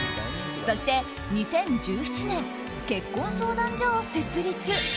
そして２０１７年結婚相談所を設立。